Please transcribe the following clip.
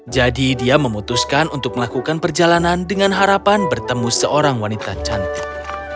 jadi dia memutuskan untuk melakukan perjalanan dengan harapan bertemu seorang wanita cantik